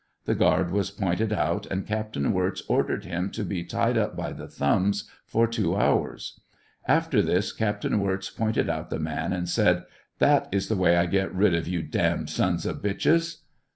The guard was pointed out, and Captain Wirz ordered him to be 800 TEIAL OP HENKY WIKZ. tied up by the thumbs for two hours. After this, Captain Wirz pointed out the man, and said, " That is the way I get rid of you damned sons of bitches."